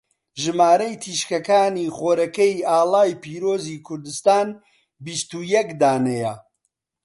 ژمارەی تیشکەکانی خۆرەکەی ئاڵای پیرۆزی کوردستان بیستو یەک دانەیە.